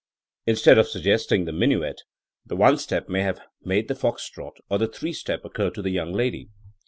Instead of suggesting the minuet, the one step may have made the fox trot or the three step occur to the young lady.